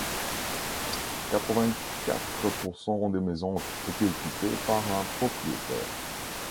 Quatre-vingt-quatre pour cent des maisons étaient occupées par un propriétaire.